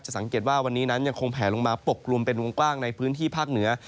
สังเกตว่าวันนี้นั้นยังคงแผลลงมาปกกลุ่มเป็นวงกว้างในพื้นที่ภาคเหนือ